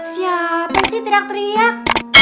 siapin sih teriak teriak